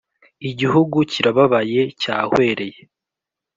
Igihugu kirababaye, cyahwereye.